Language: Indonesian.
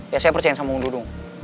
ya saya percayain sama om dudung